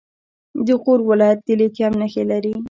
د غور ولایت د لیتیم نښې لري.